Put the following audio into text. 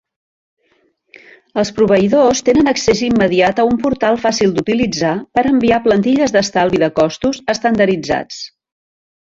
Els proveïdors tenen accés immediat a un portal fàcil d'utilitzar per enviar plantilles d'estalvi de costos estandarditzats.